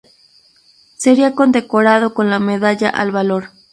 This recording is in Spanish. Sería condecorado con la Medalla al Valor.